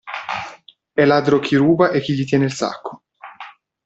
È ladro chi ruba e chi gli tiene il sacco.